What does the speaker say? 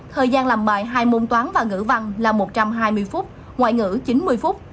thời gian làm bài hai môn toán và ngữ văn là một trăm hai mươi phút ngoại ngữ chín mươi phút